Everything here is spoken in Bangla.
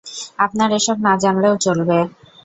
আপনার এসব না জানলেও চলবে।